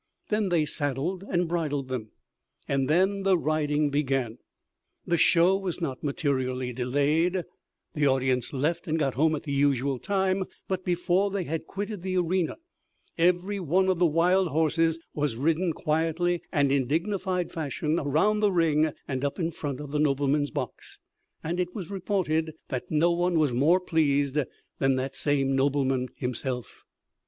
Then they saddled and bridled them, and then the riding began. The show was not materially delayed; the audience left and got home at the usual time; but before they had quitted the arena every one of the wild horses was ridden quietly and in dignified fashion around the ring and up in front of the nobleman's box, and it was reported that no one was more pleased than that same nobleman himself.